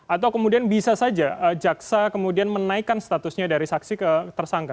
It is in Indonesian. atau kemudian bisa saja jaksa kemudian menaikkan statusnya dari saksi ke tersangka